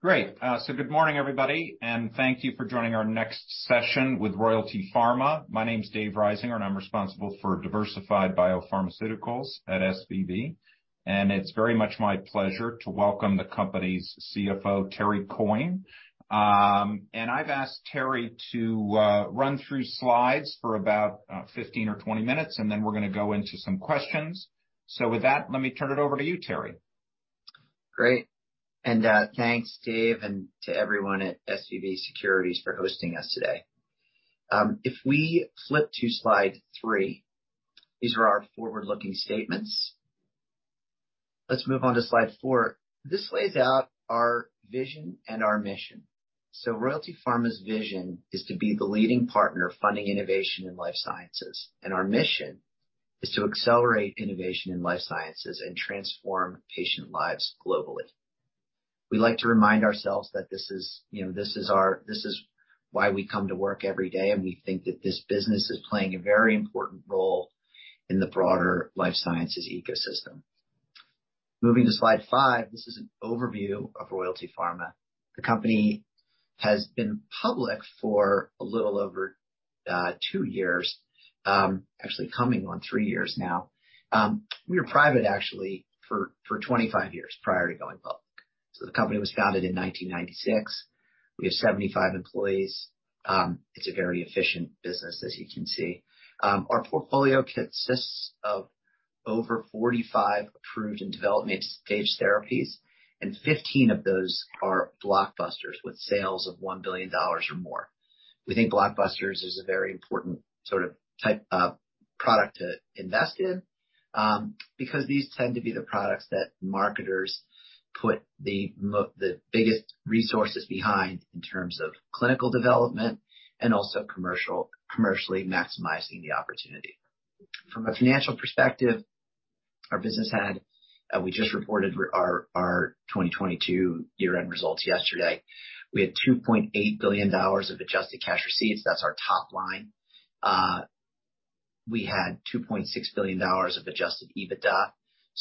Great. Good morning, everybody, and thank you for joining our next session with Royalty Pharma. My name's Dave Risinger, I'm responsible for diversified biopharmaceuticals at SVB. It's very much my pleasure to welcome the company's CFO, Terry Coyne. I've asked Terry to run through slides for about 15 or 20 minutes, and then we're gonna go into some questions. With that, let me turn it over to you, Terry. Great. Thanks, Dave, and to everyone at SVB Securities for hosting us today. If we flip to slide 3, these are our forward-looking statements. Let's move on to slide 4. This lays out our vision and our mission. Royalty Pharma's vision is to be the leading partner funding innovation in life sciences, and our mission is to accelerate innovation in life sciences and transform patient lives globally. We like to remind ourselves that this is, you know, this is why we come to work every day, and we think that this business is playing a very important role in the broader life sciences ecosystem. Moving to slide 5. This is an overview of Royalty Pharma. The company has been public for a little over 2 years, actually coming on 3 years now. We were private actually for 25 years prior to going public. The company was founded in 1996. We have 75 employees. It's a very efficient business, as you can see. Our portfolio consists of over 45 approved and development stage therapies, and 15 of those are blockbusters with sales of $1 billion or more. We think blockbusters is a very important sort of type of product to invest in because these tend to be the products that marketers put the biggest resources behind in terms of clinical development and also commercially maximizing the opportunity. From a financial perspective, our business had, we just reported our 2022 year-end results yesterday. We had $2.8 billion of Adjusted Cash Receipts. That's our top line. We had $2.6 billion of Adjusted EBITDA,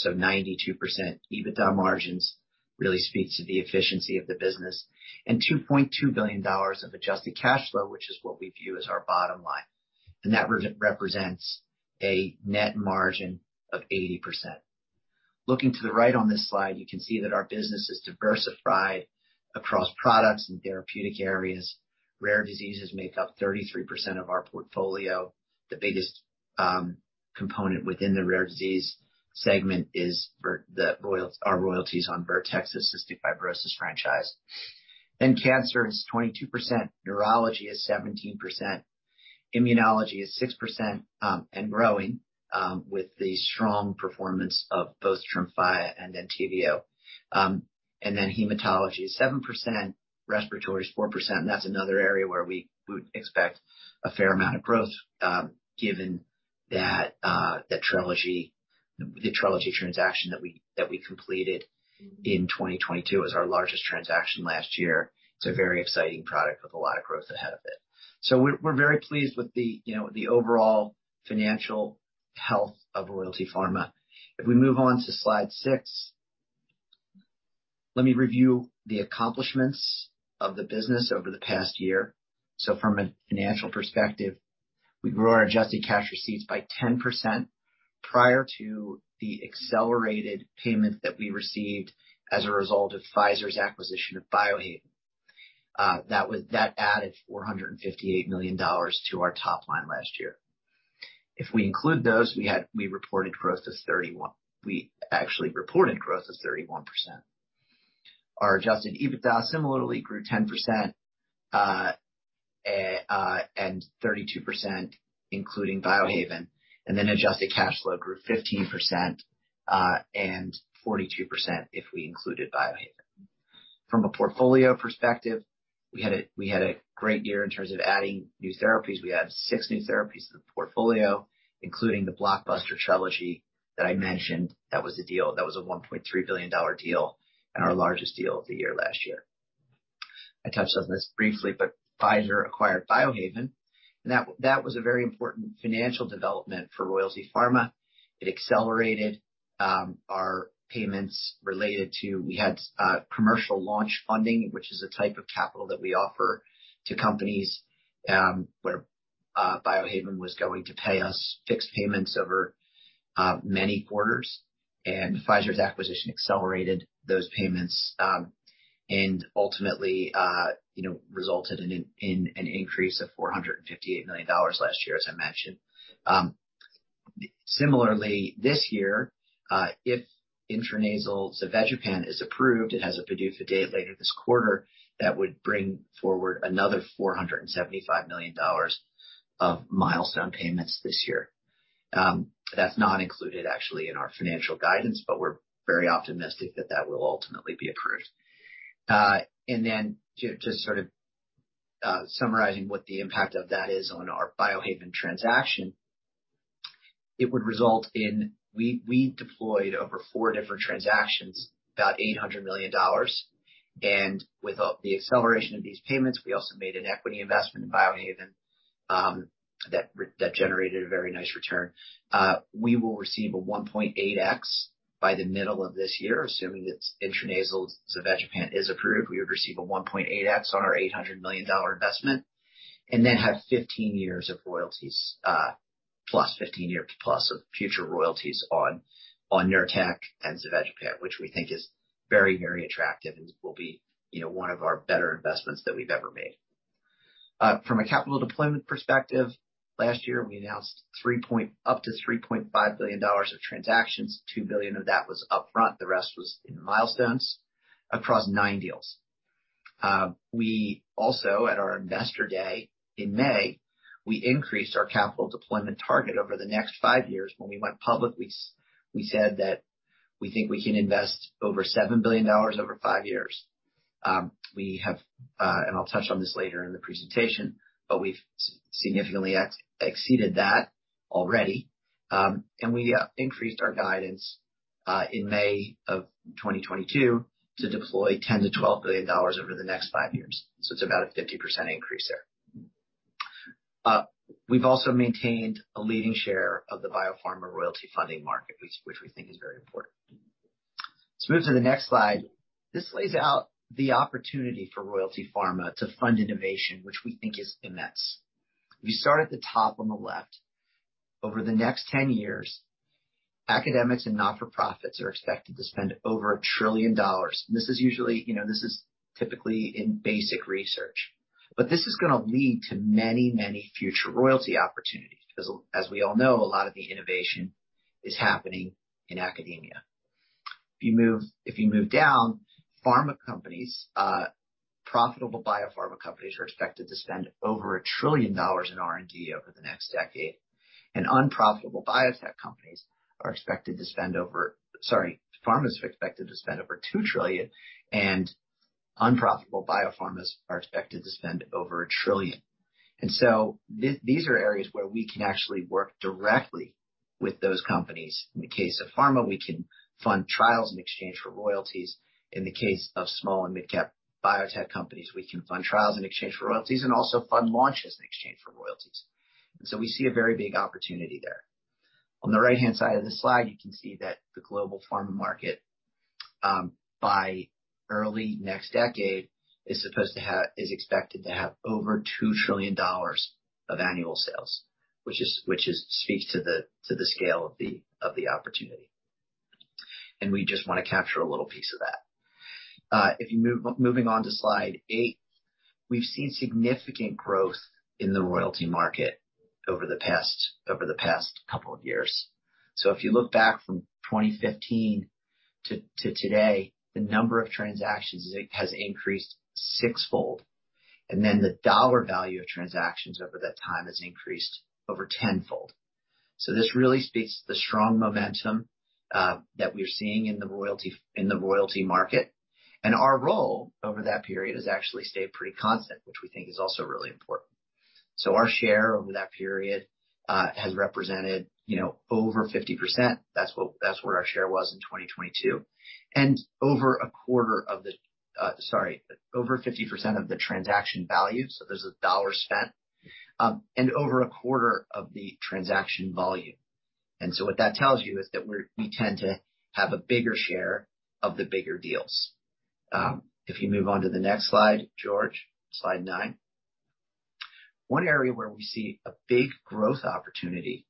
92% EBITDA margins. Really speaks to the efficiency of the business. $2.2 billion of Adjusted Cash Flow, which is what we view as our bottom line, and that represents a net margin of 80%. Looking to the right on this slide, you can see that our business is diversified across products and therapeutic areas. Rare diseases make up 33% of our portfolio. The biggest component within the rare disease segment is our royalties on Vertex's cystic fibrosis franchise. Cancer is 22%, neurology is 17%, immunology is 6%, and growing with the strong performance of both Tremfya and Entyvio. Hematology is 7%, respiratory is 4%, and that's another area where we would expect a fair amount of growth, given that the Trelegy transaction that we completed in 2022 is our largest transaction last year. It's a very exciting product with a lot of growth ahead of it. We're very pleased with the, you know, the overall financial health of Royalty Pharma. If we move on to slide 6, let me review the accomplishments of the business over the past year. From a financial perspective, we grew our Adjusted Cash Receipts by 10% prior to the accelerated payment that we received as a result of Pfizer's acquisition of Biohaven. That added $458 million to our top line last year. If we include those, we reported growth as 31%. We actually reported growth as 31%. Our Adjusted EBITDA similarly grew 10% and 32%, including Biohaven. Adjusted Cash Flow grew 15% and 42% if we included Biohaven. From a portfolio perspective, we had a great year in terms of adding new therapies. We added six new therapies to the portfolio, including the blockbuster Trelegy that I mentioned. That was the deal. That was a $1.3 billion deal and our largest deal of the year last year. Pfizer acquired Biohaven, and that was a very important financial development for Royalty Pharma. It accelerated our payments related to... We had commercial launch funding, which is a type of capital that we offer to companies, where Biohaven was going to pay us fixed payments over many quarters, and Pfizer's acquisition accelerated those payments, and ultimately, you know, resulted in an increase of $458 million last year, as I mentioned. Similarly, this year, if intranasal zavegepant is approved, it has a PDUFA date later this quarter, that would bring forward another $475 million of milestone payments this year. That's not included actually in our financial guidance, but we're very optimistic that that will ultimately be approved. Just sort of summarizing what the impact of that is on our Biohaven transaction, it would result in we deployed over four different transactions, about $800 million. With the acceleration of these payments, we also made an equity investment in Biohaven. That generated a very nice return. We will receive a 1.8x by the middle of this year, assuming that intranasal zavegepant is approved, we would receive a 1.8x on our $800 million investment, and then have 15 year plus of future royalties on Nurtec and zavegepant, which we think is very, very attractive and will be, you know, one of our better investments that we've ever made. From a capital deployment perspective, last year we announced up to $3.5 billion of transactions, $2 billion of that was upfront, the rest was in milestones across 9 deals. We also at our investor day in May, we increased our capital deployment target over the next five years. When we went public, we said that we think we can invest over $7 billion over five years. We have, and I'll touch on this later in the presentation, but we've significantly exceeded that already. We increased our guidance in May 2022 to deploy $10 billion-$12 billion over the next five years. It's about a 50% increase there. We've also maintained a leading share of the biopharma royalty funding market, which we think is very important. Let's move to the next slide. This lays out the opportunity for Royalty Pharma to fund innovation, which we think is immense. If you start at the top on the left, over the next 10 years, academics and not-for-profits are expected to spend over $1 trillion. This is usually, you know, this is typically in basic research, but this is gonna lead to many, many future royalty opportunities 'cause as we all know, a lot of the innovation is happening in academia. If you move down, pharma companies, profitable biopharma companies are expected to spend over $1 trillion in R&D over the next decade. Pharmas are expected to spend over $2 trillion and unprofitable biopharmas are expected to spend over $1 trillion. These are areas where we can actually work directly with those companies. In the case of pharma, we can fund trials in exchange for royalties. In the case of small and mid-cap biotech companies, we can fund trials in exchange for royalties and also fund launches in exchange for royalties. We see a very big opportunity there. On the right-hand side of the slide, you can see that the global pharma market, by early next decade is expected to have over $2 trillion of annual sales, which is speaks to the scale of the opportunity. We just wanna capture a little piece of that. Moving on to slide 8, we've seen significant growth in the royalty market over the past couple of years. If you look back from 2015 to today, the number of transactions has increased 6-fold, the dollar value of transactions over that time has increased over 10-fold. This really speaks to the strong momentum that we're seeing in the royalty market. Our role over that period has actually stayed pretty constant, which we think is also really important. Our share over that period has represented, you know, over 50%. That's what our share was in 2022. Sorry, over 50% of the transaction value, so those are dollars spent, and over a quarter of the transaction volume. What that tells you is that we tend to have a bigger share of the bigger deals. If you move on to the next slide, George, slide 9. One area where we see a big growth opportunity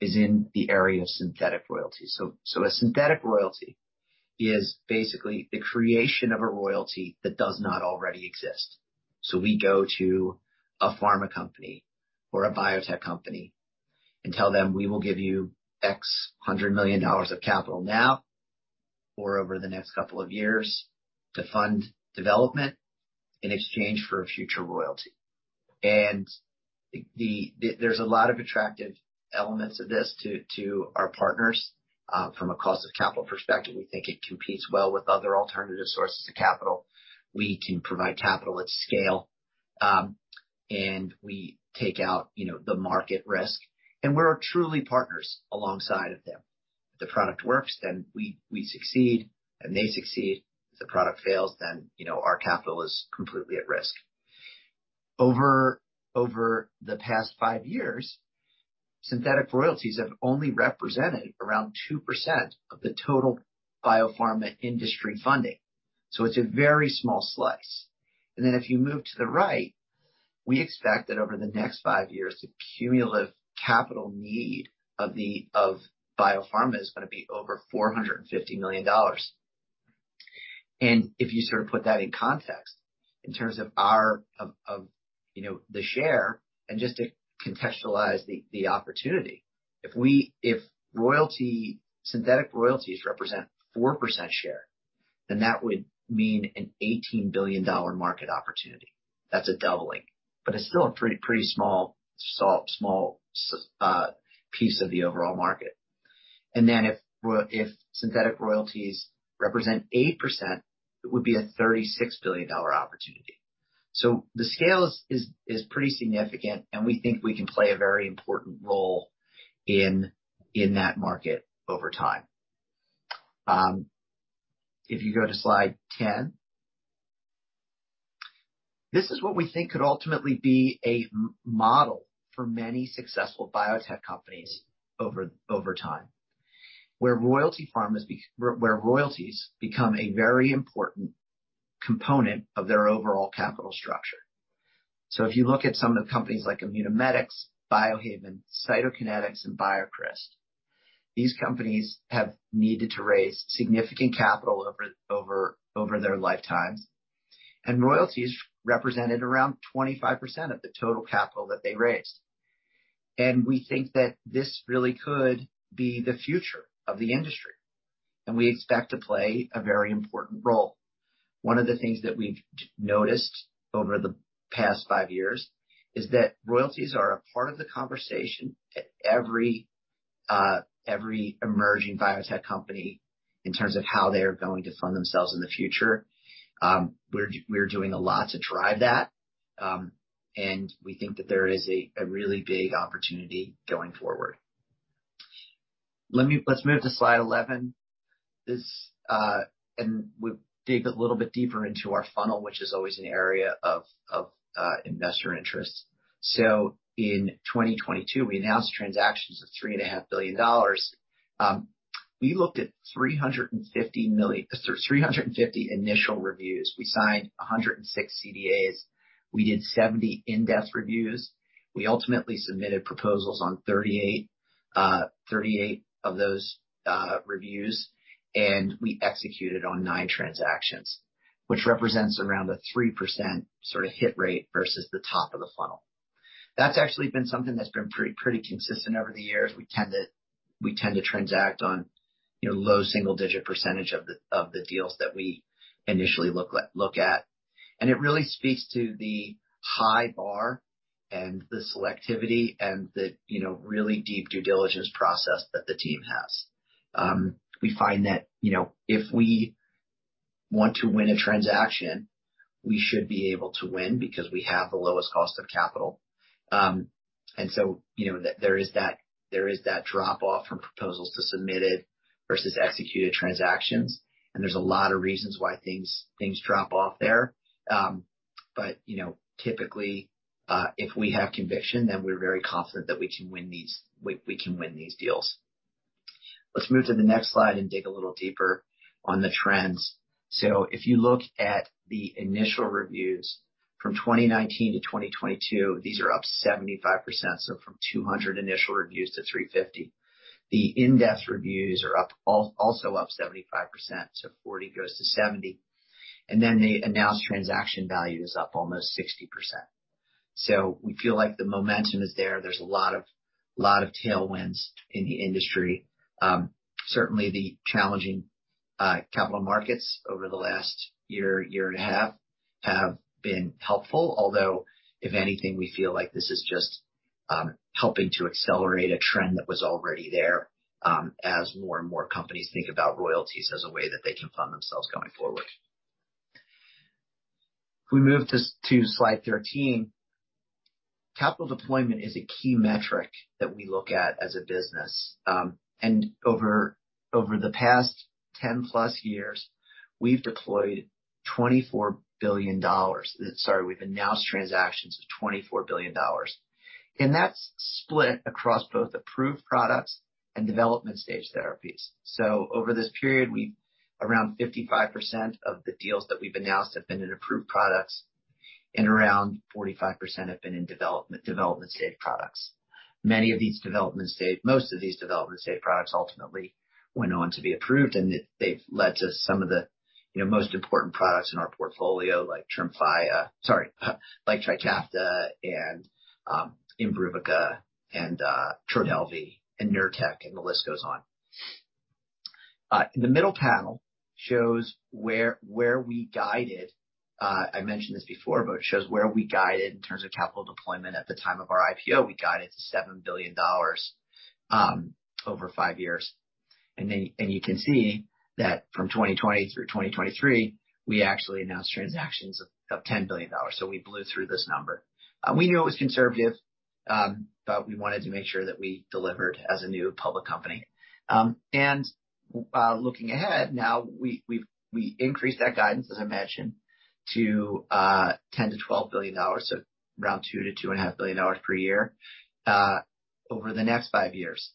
is in the area of synthetic royalties. A synthetic royalty is basically the creation of a royalty that does not already exist. We go to a pharma company or a biotech company and tell them, "We will give you $X hundred million of capital now or over the next couple of years to fund development in exchange for a future royalty." There's a lot of attractive elements of this to our partners from a cost of capital perspective, we think it competes well with other alternative sources of capital. We can provide capital at scale, we take out, you know, the market risk, and we're truly partners alongside of them. If the product works, then we succeed and they succeed. If the product fails, then, you know, our capital is completely at risk. Over the past 5 years, synthetic royalties have only represented around 2% of the total biopharma industry funding. It's a very small slice. If you move to the right, we expect that over the next 5 years, the cumulative capital need of biopharma is gonna be over $450 million. If you sort of put that in context in terms of our, you know, the share and just to contextualize the opportunity, if synthetic royalties represent 4% share, then that would mean an $18 billion market opportunity. That's a doubling, but it's still a pretty small piece of the overall market. If synthetic royalties represent 8%, it would be a $36 billion opportunity. The scale is pretty significant, and we think we can play a very important role in that market over time. If you go to slide 10. This is what we think could ultimately be a model for many successful biotech companies over time, where Royalty Pharma where royalties become a very important component of their overall capital structure. If you look at some of the companies like Immunomedics, Biohaven, Cytokinetics and BioCryst, these companies have needed to raise significant capital over their lifetimes. Royalties represented around 25% of the total capital that they raised. We think that this really could be the future of the industry, and we expect to play a very important role. One of the things that we've noticed over the past 5 years is that royalties are a part of the conversation at every emerging biotech company in terms of how they are going to fund themselves in the future. We're doing a lot to drive that, and we think that there is a really big opportunity going forward. Let's move to slide 11. This, and we dig a little bit deeper into our funnel, which is always an area of investor interest. In 2022, we announced transactions of $3.5 billion. We looked at 350 million, sorry, 350 initial reviews. We signed 106 CDAs. We did 70 in-depth reviews. We ultimately submitted proposals on 38 of those reviews. We executed on 9 transactions, which represents around a 3% sort of hit rate versus the top of the funnel. That's actually been something that's been pretty consistent over the years. We tend to transact on, you know, low single digit percentage of the deals that we initially look at. It really speaks to the high bar and the selectivity and the, you know, really deep due diligence process that the team has. We find that, you know, if we want to win a transaction, we should be able to win because we have the lowest cost of capital. You know, there is that, there is that drop off from proposals to submitted versus executed transactions. There's a lot of reasons why things drop off there. You know, typically, if we have conviction, then we're very confident that we can win these deals. Let's move to the next slide and dig a little deeper on the trends. If you look at the initial reviews from 2019 to 2022, these are up 75%. From 200 initial reviews to 350. The in-depth reviews are also up 75%, so 40 goes to 70. The announced transaction value is up almost 60%. We feel like the momentum is there. There's a lot of tailwinds in the industry. Certainly the challenging capital markets over the last year and a half have been helpful. If anything, we feel like this is just helping to accelerate a trend that was already there as more and more companies think about royalties as a way that they can fund themselves going forward. If we move to slide 13. Capital deployment is a key metric that we look at as a business. Over the past 10+ years, we've deployed $24 billion. Sorry, we've announced transactions of $24 billion. That's split across both approved products and development stage therapies. Over this period, we've around 55% of the deals that we've announced have been in approved products and around 45% have been in development stage products. Most of these development stage products ultimately went on to be approved, and they've led to some of the, you know, most important products in our portfolio, like Tremfya. Sorry, like TRIKAFTA and IMBRUVICA and TRODELVY and Nurtec, and the list goes on. The middle panel shows where we guided, I mentioned this before, but it shows where we guided in terms of capital deployment at the time of our IPO. We guided to $7 billion over five years. You can see that from 2020 through 2023, we actually announced transactions of $10 billion. We blew through this number. We knew it was conservative, but we wanted to make sure that we delivered as a new public company. Looking ahead, now we've increased that guidance, as I mentioned, to $10 billion-$12 billion, so around $2 billion-$2.5 billion per year over the next five years.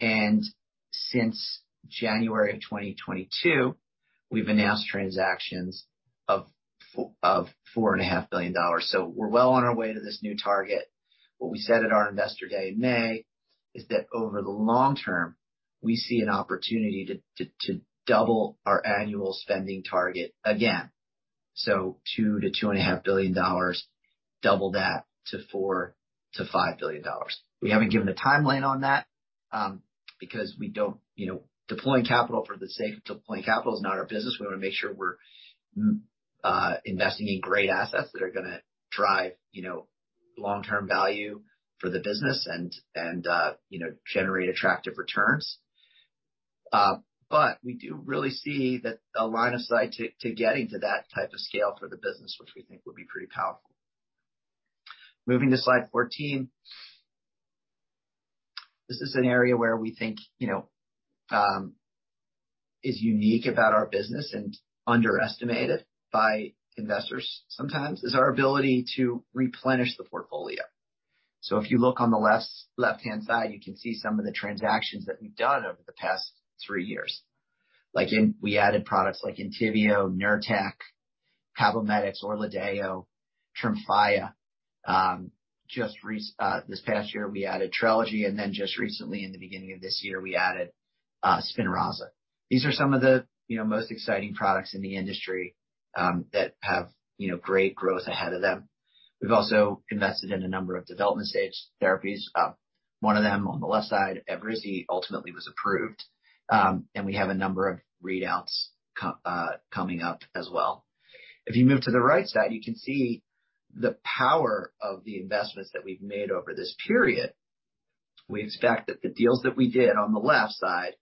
Since January 2022, we've announced transactions of $4.5 billion. We're well on our way to this new target. What we said at our investor day in May is that over the long term, we see an opportunity to double our annual spending target again. $2 billion-$2.5 billion, double that to $4 billion-$5 billion. We haven't given a timeline on that because we don't, you know, deploying capital for the sake of deploying capital is not our business. We wanna make sure we're investing in great assets that are gonna drive, you know, long-term value for the business and, you know, generate attractive returns. We do really see that a line of sight to getting to that type of scale for the business, which we think will be pretty powerful. Moving to slide 14. This is an area where we think, you know, is unique about our business and underestimated by investors sometimes, is our ability to replenish the portfolio. If you look on the left-hand side, you can see some of the transactions that we've done over the past 3 years. We added products like Entyvio, Nurtec, CABOMETYX, ORLADEYO, Tremfya. Just this past year, we added Trelegy. Recently, in the beginning of this year, we added SPINRAZA. These are some of the, you know, most exciting products in the industry, that have, you know, great growth ahead of them. We've also invested in a number of development-stage therapies. One of them on the left side, Evrysdi, ultimately was approved. We have a number of readouts coming up as well. If you move to the right side, you can see the power of the investments that we've made over this period. We expect that the deals that we did on the left side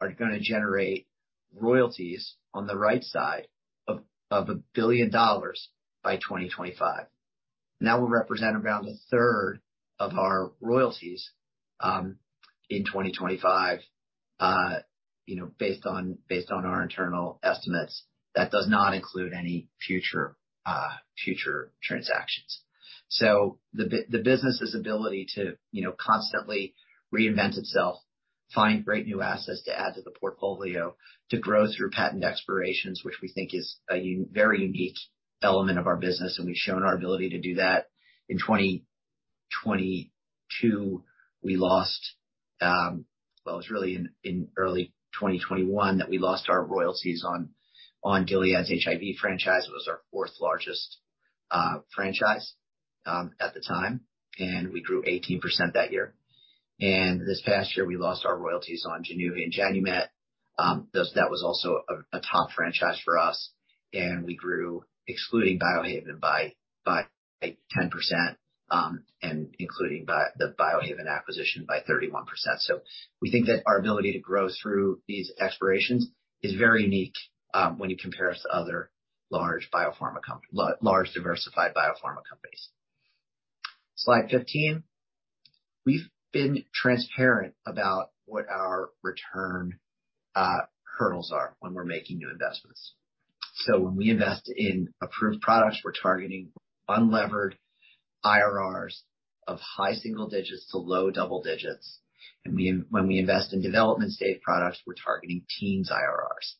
are gonna generate royalties on the right side of $1 billion by 2025. That will represent around a third of our royalties, in 2025, you know, based on, based on our internal estimates. That does not include any future future transactions. The business's ability to, you know, constantly reinvent itself, find great new assets to add to the portfolio, to grow through patent expirations, which we think is a very unique element of our business, and we've shown our ability to do that. In 2022, we lost. Well, it was really in early 2021 that we lost our royalties on Gilead's HIV franchise. It was our 4th-largest franchise at the time, and we grew 18% that year. This past year, we lost our royalties on JANUVIA and JANUMET. That was also a top franchise for us. And we grew, excluding Biohaven by 10%, and including the Biohaven acquisition by 31%. We think that our ability to grow through these expirations is very unique, when you compare us to other large diversified biopharma companies. Slide 15. We've been transparent about what our return hurdles are when we're making new investments. When we invest in approved products, we're targeting unlevered IRRs of high single digits to low double digits. When we invest in development-stage products, we're targeting teens IRRs.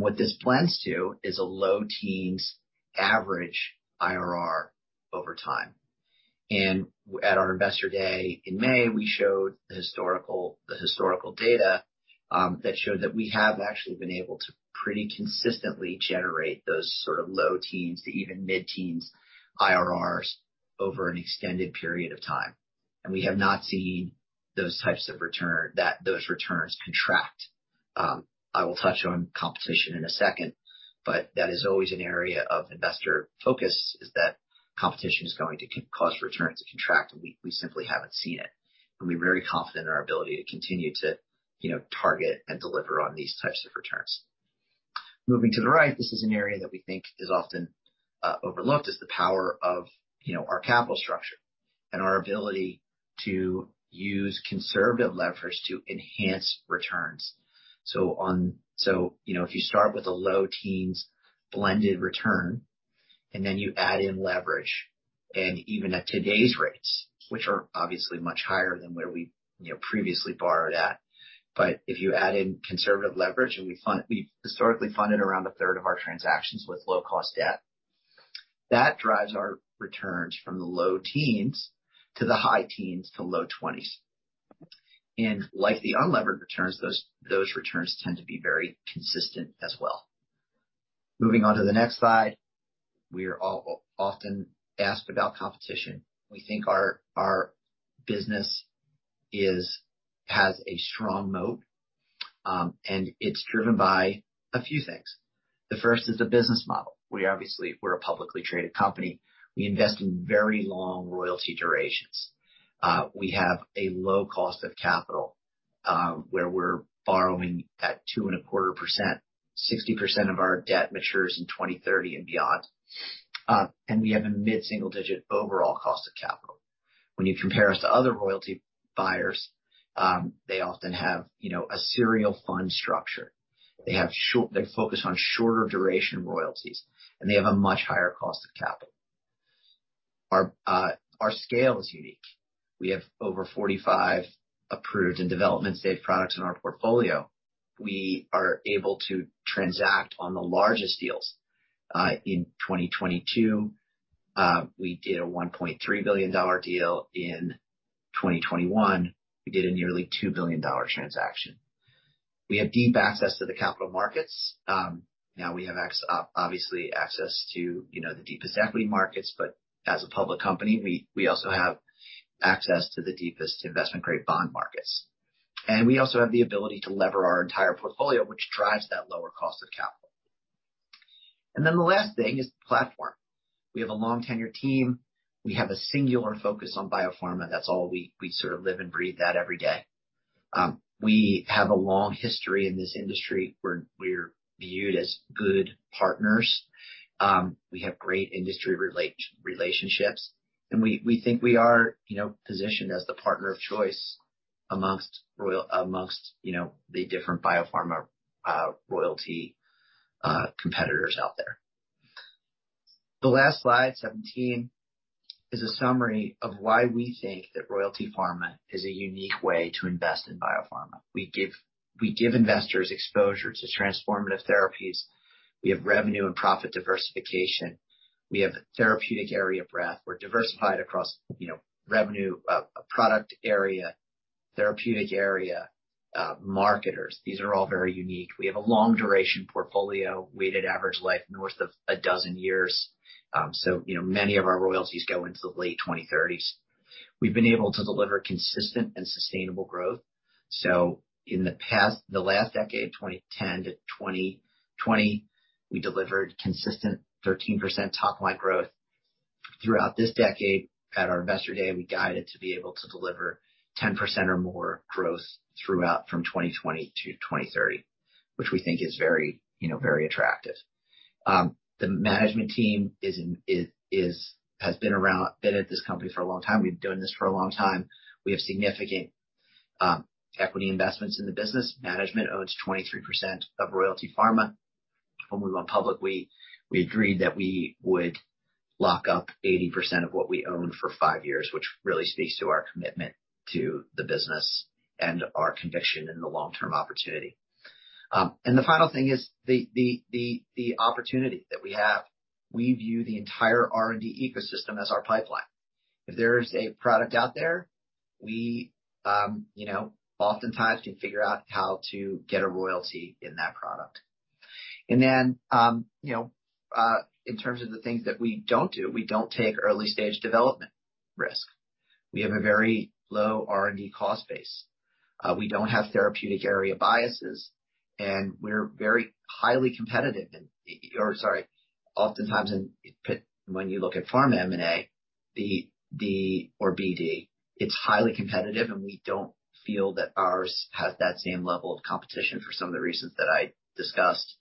What this blends to is a low teens average IRR over time. At our investor day in May, we showed the historical data that showed that we have actually been able to pretty consistently generate those sort of low teens to even mid-teens IRRs over an extended period of time. We have not seen those types of return, those returns contract. I will touch on competition in a second, that is always an area of investor focus is that competition is going to cause return to contract, and we simply haven't seen it. We're very confident in our ability to continue to, you know, target and deliver on these types of returns. Moving to the right, this is an area that we think is often overlooked, is the power of, you know, our capital structure and our ability to use conservative leverage to enhance returns. You know, if you start with a low teens blended return and then you add in leverage, even at today's rates, which are obviously much higher than where we, you know, previously borrowed at, if you add in conservative leverage, we've historically funded around a third of our transactions with low-cost debt. That drives our returns from the low teens to the high teens to low 20s. Like the unlevered returns, those returns tend to be very consistent as well. Moving on to the next slide. We are often asked about competition. We think our business is, has a strong moat, and it's driven by a few things. The first is the business model. We obviously, we're a publicly traded company. We invest in very long royalty durations. We have a low cost of capital, where we're borrowing at 2.25%. 60% of our debt matures in 2030 and beyond. We have a mid-single digit overall cost of capital. When you compare us to other royalty buyers, they often have, you know, a serial fund structure. They focus on shorter duration royalties, and they have a much higher cost of capital. Our scale is unique. We have over 45 approved and development-stage products in our portfolio. We are able to transact on the largest deals. In 2022, we did a $1.3 billion deal. In 2021, we did a nearly $2 billion transaction. We have deep access to the capital markets. Now we have obviously access to, you know, the deepest equity markets, but as a public company, we also have access to the deepest investment-grade bond markets. We also have the ability to lever our entire portfolio, which drives that lower cost of capital. The last thing is the platform. We have a long tenure team. We have a singular focus on biopharma, that's all we sort of live and breathe that every day. We have a long history in this industry. We're viewed as good partners. We have great industry relationships, and we think we are, you know, positioned as the partner of choice amongst, you know, the different biopharma royalty competitors out there. The last slide, 17, is a summary of why we think that Royalty Pharma is a unique way to invest in biopharma. We give investors exposure to transformative therapies. We have revenue and profit diversification. We have therapeutic area breadth. We're diversified across, you know, revenue, product area, therapeutic area, marketers. These are all very unique. We have a long duration portfolio, weighted average life north of 12 years. You know, many of our royalties go into the late 2030s. We've been able to deliver consistent and sustainable growth. In the last decade, 2010 to 2020, we delivered consistent 13% top-line growth. Throughout this decade, at our Investor Day, we guided to be able to deliver 10% or more growth throughout from 2020 to 2030, which we think is very, you know, very attractive. The management team has been around, been at this company for a long time. We've been doing this for a long time. We have significant equity investments in the business. Management owns 23% of Royalty Pharma. When we went public, we agreed that we would lock up 80% of what we own for five years, which really speaks to our commitment to the business and our conviction in the long-term opportunity. The final thing is the opportunity that we have. We view the entire R&D ecosystem as our pipeline. If there's a product out there, we, you know, oftentimes can figure out how to get a royalty in that product. Then, you know, in terms of the things that we don't do, we don't take early-stage development risk. We have a very low R&D cost base. We don't have therapeutic area biases, and we're very highly competitive or sorry, oftentimes in when you look at pharma M&A, or BD, it's highly competitive, and we don't feel that ours has that same level of competition for some of the reasons that I discussed.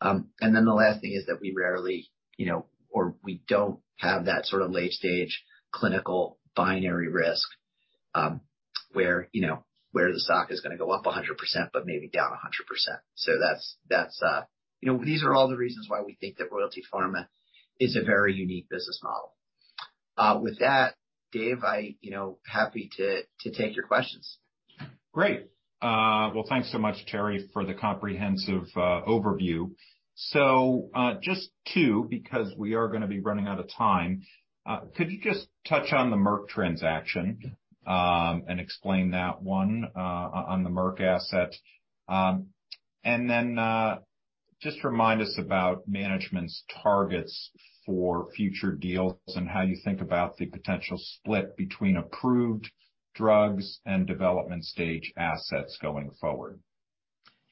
And then the last thing is that we rarely, you know, or we don't have that sort of late-stage clinical binary risk, where, you know, where the stock is gonna go up 100% but maybe down 100%. That's, that's, you know, these are all the reasons why we think that Royalty Pharma is a very unique business model. With that, Dave, I, you know, happy to take your questions. Great. Well, thanks so much, Terry, for the comprehensive overview. Just two, because we are gonna be running out of time. Could you just touch on the Merck transaction and explain that one on the Merck asset, and then just remind us about management's targets for future deals and how you think about the potential split between approved drugs and development stage assets going forward?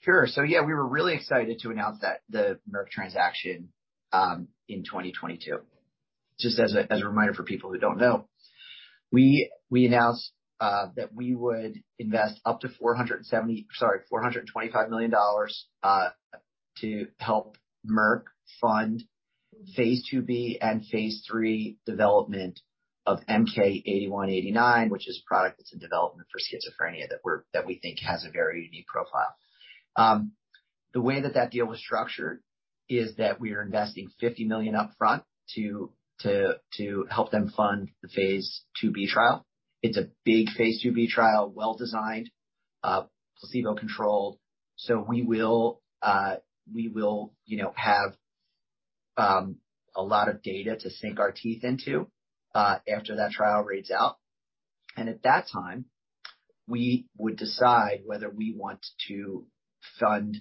Sure. Yeah, we were really excited to announce that the Merck transaction in 2022. Just as a reminder for people who don't know, we announced that we would invest up to $425 million to help Merck fund Phase IIb and Phase III development of MK-8189, which is a product that's in development for schizophrenia that we think has a very unique profile. The way that that deal was structured is that we are investing $50 million upfront to help them fund the Phase IIb trial. It's a big Phase IIb trial, well-designed, placebo-controlled. We will, we will, you know, have a lot of data to sink our teeth into after that trial reads out. At that time, we would decide whether we want to fund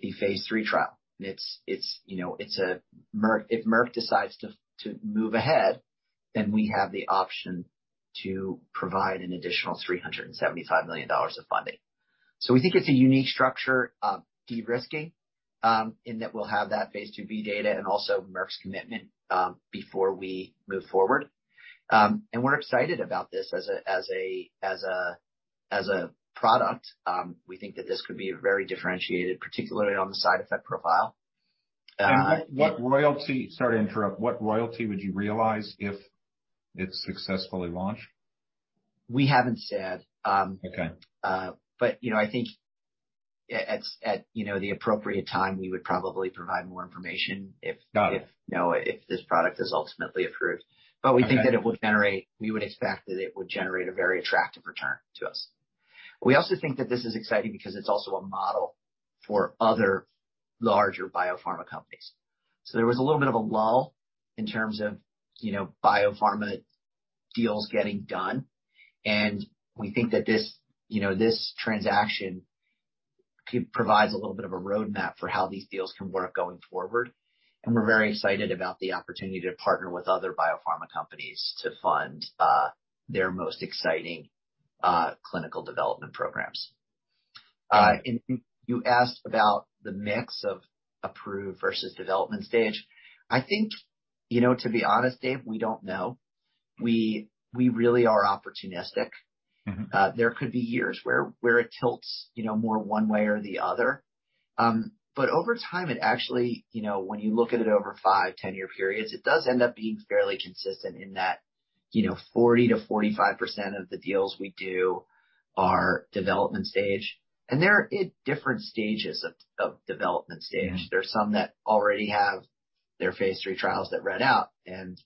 the phase III trial. It's, it's, you know, if Merck decides to move ahead, we have the option to provide an additional $375 million of funding. We think it's a unique structure of de-risking, in that we'll have that phase IIb data and also Merck's commitment, before we move forward. We're excited about this as a product. We think that this could be very differentiated, particularly on the side effect profile. Sorry to interrupt. What royalty would you realize if it's successfully launched? We haven't said. Okay. You know, I think at, you know, the appropriate time, we would probably provide more information. Got it. If, you know, if this product is ultimately approved. Okay. We think that we would expect that it would generate a very attractive return to us. We also think that this is exciting because it's also a model for other larger biopharma companies. There was a little bit of a lull in terms of, you know, biopharma deals getting done, and we think that this, you know, this transaction provides a little bit of a roadmap for how these deals can work going forward. We're very excited about the opportunity to partner with other biopharma companies to fund their most exciting clinical development programs. You asked about the mix of approved versus development stage. I think, you know, to be honest, Dave, we don't know. We, we really are opportunistic. Mm-hmm. There could be years where it tilts, you know, more one way or the other. Over time, it actually, you know, when you look at it over 5, 10-year periods, it does end up being fairly consistent in that, you know, 40% to 45% of the deals we do are development stage. They're at different stages of development stage. Mm-hmm. There are some that already have their phase III trials that read out.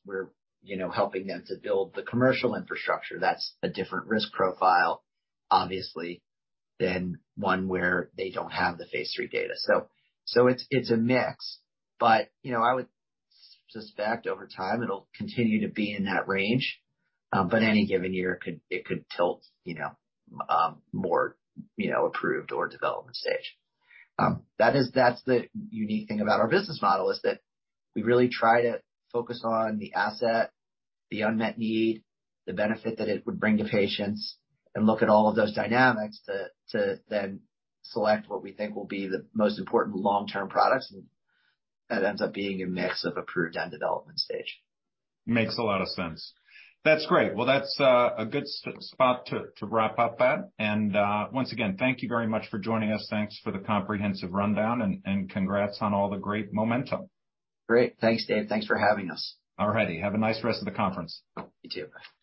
We're, you know, helping them to build the commercial infrastructure. That's a different risk profile, obviously, than one where they don't have the phase III data. It's, it's a mix, but, you know, I would suspect over time it'll continue to be in that range. Any given year it could tilt, you know, more, you know, approved or development stage. That's the unique thing about our business model is that we really try to focus on the asset, the unmet need, the benefit that it would bring to patients and look at all of those dynamics to then select what we think will be the most important long-term products, and that ends up being a mix of approved and development stage. Makes a lot of sense. That's great. Well, that's a good spot to wrap up at. Once again, thank you very much for joining us. Thanks for the comprehensive rundown, and congrats on all the great momentum. Great. Thanks, Dave. Thanks for having us. All righty. Have a nice rest of the conference. You too. Bye. Thanks.